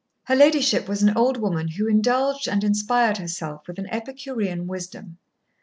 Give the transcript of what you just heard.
Her Ladyship was an old woman who indulged and inspired herself with an Epicurean wisdom.